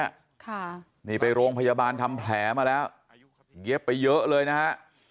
ค่ะนี่ไปโรงพยาบาลทำแผลมาแล้วเย็บไปเยอะเลยนะฮะ